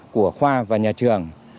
của khoa và nhà trường